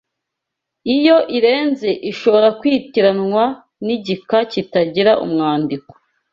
Iyo irenze ishobora kwitiranywa n’igika gitangira umwandiko